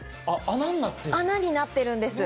穴になってるんです。